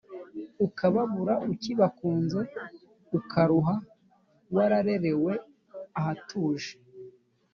ukababura ukibakunze Ukaruha wararerewe ahatuje